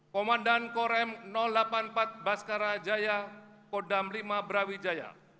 komandan korem delapan puluh empat baskarajaya kodam v brawijaya